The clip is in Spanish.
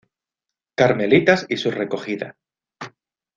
Carmelitas y su recogida.